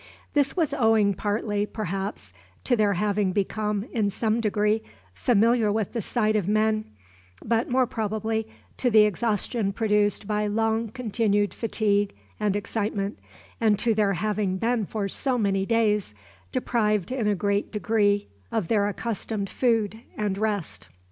This was owing partly, perhaps, to their having become, in some degree, familiar with the sight of men, but more probably to the exhaustion produced by long continued fatigue and excitement, and to their having been for so many days deprived in a great degree of their accustomed food and rest.